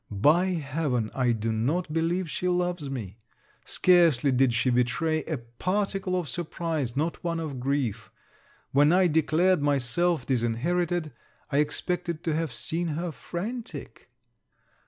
By heaven, I do not believe she loves me! Scarcely did she betray a particle of surprise, not one of grief. When I declared myself disinherited, I expected to have seen her frantic.